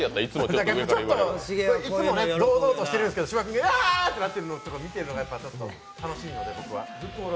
いつも堂々としてるんだけど芝君がうわーっとなっているのを見るのが楽しいので。